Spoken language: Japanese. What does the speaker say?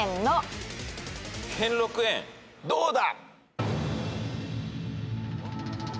どうだ？